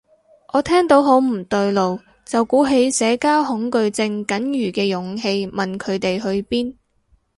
我聽到好唔對路，就鼓起社交恐懼症僅餘嘅勇氣問佢哋去邊